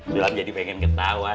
belum jadi pengen ketauan